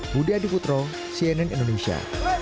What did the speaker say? budi adi putro cnn indonesia